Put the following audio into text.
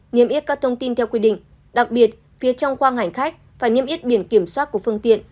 nghiêm yết các thông tin theo quy định đặc biệt phía trong khoang hành khách và nghiêm yết biển kiểm soát của phương tiện